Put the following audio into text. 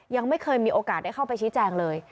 ยังไม่เคยมีโอกาสได้เข้าไปชี้แจงเลย